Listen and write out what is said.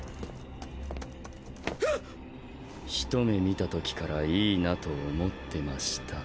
一目見たときから良いなと思ってました。